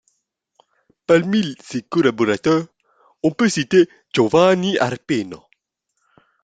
Parmi ses collaborateurs, on peut citer Giovanni Arpino.